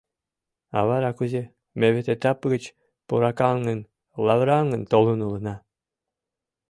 — А вара кузе, ме вет этап гыч пуракаҥын, лавыраҥын толын улына?